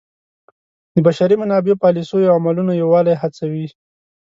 د بشري منابعو پالیسیو او عملونو یووالی هڅوي.